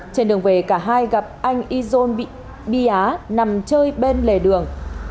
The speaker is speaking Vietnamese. trên đường về cả hai gặp anh izon bị bi á nằm chơi bên lề đường